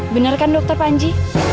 bener kan dokter panji